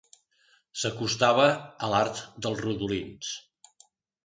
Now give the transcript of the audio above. S'acostava a l'art dels rodolins.